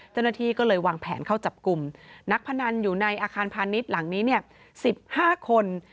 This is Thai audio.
เจ้าหน้าที่ก็เลยวางแผนเข้าจับกลุ่มนักพนันอยู่ในอาคารพาณิชย์หลังนี้๑๕คน